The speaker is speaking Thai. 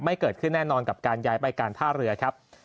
เกิดขึ้นแน่นอนกับการย้ายไปการท่าเรือครับ